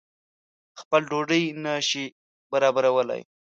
خپل ډوډۍ نه شي برابرولای.